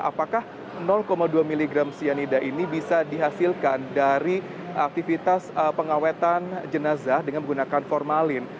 apakah dua miligram cyanida ini bisa dihasilkan dari aktivitas pengawetan jenazah dengan menggunakan formalin